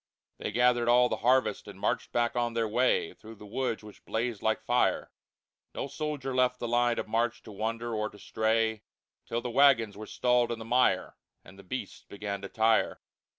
They gathered all the Harvest, and marched back on their Way Through the Woods which blazed like Fire. No Soldier left the Line of march to wander or to stray, Till the Wagons were stalled in the Mire, And the Beasts began to tire.